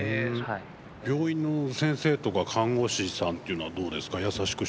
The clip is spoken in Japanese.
病院の先生とか看護師さんっていうのはどうですか？